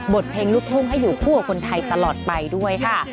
เพลงลูกทุ่งให้อยู่คู่กับคนไทยตลอดไปด้วยค่ะ